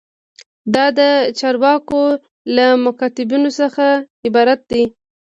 دا د چارواکو له مکاتیبو څخه عبارت دی.